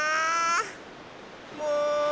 もう。